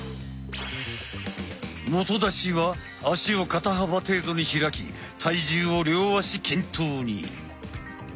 基立ちは足を肩幅程度に開き体重を両足均等に！